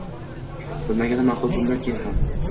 Bilmagani ma’qul bundan keyin ham.